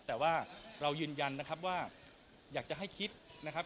แต่ว่าเรายืนยันนะครับว่าอยากจะให้คิดนะครับ